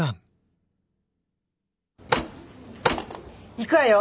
行くわよ！